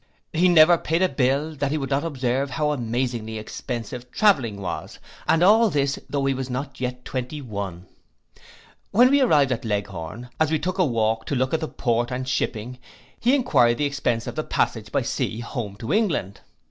He never paid a bill, that he would not observe, how amazingly expensive travelling was, and all this though he was not yet twenty one. When arrived at Leghorn, as we took a walk to look at the port and shipping, he enquired the expence of the passage by sea home to England.